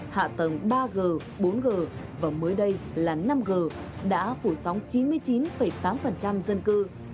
hạ tầng ba g bốn g và mới đây là năm g đã phủ sóng chín mươi chín tám dân cư